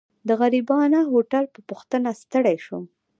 د غریبانه هوټل په پوښتنه ستړی شوم.